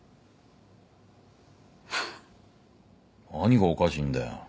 何がおかしいんだよ。